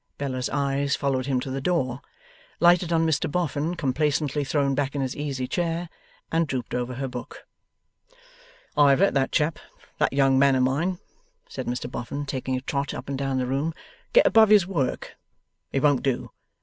Bella's eyes followed him to the door, lighted on Mr Boffin complacently thrown back in his easy chair, and drooped over her book. 'I have let that chap, that young man of mine,' said Mr Boffin, taking a trot up and down the room, 'get above his work. It won't do.